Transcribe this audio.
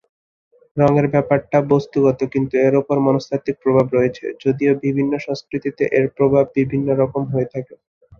রঙের ব্যাপারটা বস্তুগত কিন্তু এর উপর মনস্তাত্ত্বিক প্রভাব রয়েছে যদিও বিভিন্ন সংস্কৃতিতে এর প্রভাব বিভিন্ন রকম হয়ে থাকে।